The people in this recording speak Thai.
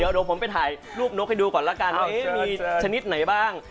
เดี๋ยวผมไปถ่ายรูปนกให้ดูก่อนแล้วกันว่ามีชนิดไหนบ้าง